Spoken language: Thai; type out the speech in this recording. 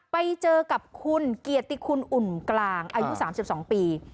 ไปเจอกับคุณเกียรติคุณอุ่นกลางอายุ๓๒ปี